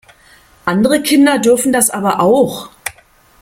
Andere Kinder dürfen das aber auch!